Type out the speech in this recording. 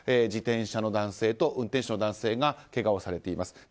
自転車の男性と運転手の男性がけがをされています。